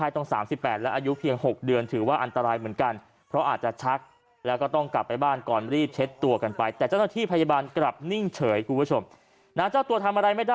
แต่เจ้าตัวที่ไพยาบาลกลับนิ่งเฉย